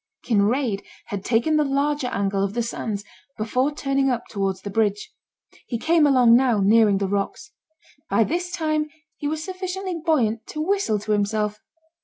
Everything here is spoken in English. Kinraid had taken the larger angle of the sands before turning up towards the bridge. He came along now nearing the rocks. By this time he was sufficiently buoyant to whistle to himself.